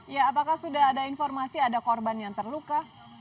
ya apakah sudah ada informasi ada korban yang terluka